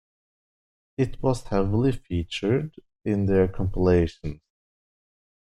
It was heavily featured in their compilations.